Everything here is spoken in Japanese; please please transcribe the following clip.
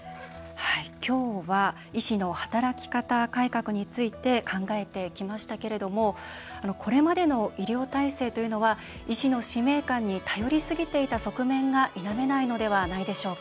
今日は医師の働き方改革について考えてきましたけれどもこれまでの医療体制というのは医師の使命感に頼りすぎていた側面が否めないのではないでしょうか。